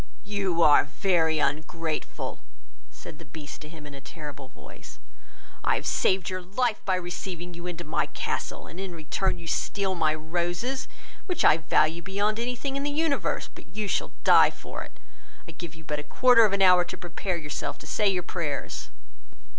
"You are very ungrateful, (said the beast to him, in a terrible voice) I have saved your life by receiving you into my castle, and, in return, you steal my roses, which I value beyond any thing in the universe; but you shall die for it; I give you but a quarter of an hour to prepare yourself, to say your prayers."